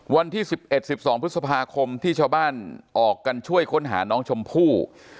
วันที่๑๑๑๒พฤษภาคมที่ชาวบ้านออกกันช่วยค้นหาน้องชมพู่